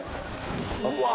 うわ！